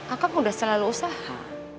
akak sudah selalu usaha